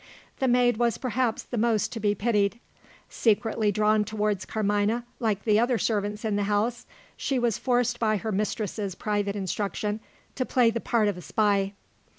The maid was perhaps the most to be pitied. Secretly drawn towards Carmina like the other servants in the house, she was forced by her mistress's private instruction, to play the part of a spy.